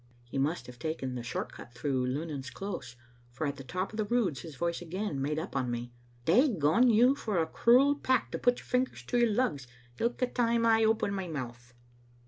He must have taken the short cut through Lunan's close, for at the top of the Roods his voice again made up on me. " Dagone you, for a cruel pack to put your fingers to your lugs ilka time I open my mouth."